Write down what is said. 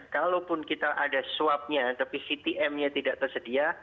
kalaupun kita ada swabnya tapi vtmnya tidak tersedia